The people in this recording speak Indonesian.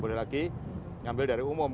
boleh lagi ngambil dari umum